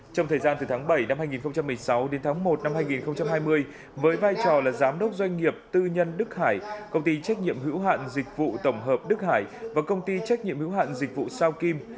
trong thời gian từ tháng bảy năm hai nghìn một mươi sáu đến tháng một năm hai nghìn hai mươi với vai trò là giám đốc doanh nghiệp tư nhân đức hải công ty trách nhiệm hữu hạn dịch vụ tổng hợp đức hải và công ty trách nhiệm hữu hạn dịch vụ sao kim